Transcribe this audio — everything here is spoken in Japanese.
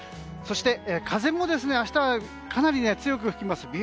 そして、風も明日はかなり強く吹きます。